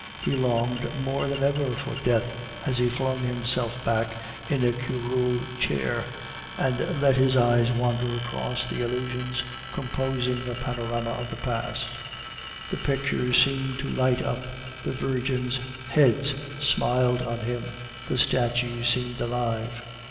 He longed more than ever for death as he flung himself back in a curule chair and let his eyes wander across the illusions composing a panorama of the past. The pictures seemed to light up, the Virgin's heads smiled on him, the statues seemed alive.